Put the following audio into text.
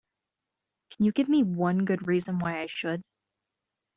Can you give me one good reason why I should?